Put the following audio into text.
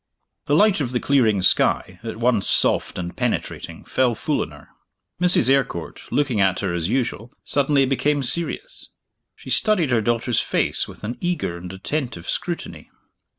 The light of the clearing sky, at once soft and penetrating, fell full on her. Mrs. Eyrecourt, looking at her as usual, suddenly became serious: she studied her daughter's face with an eager and attentive scrutiny.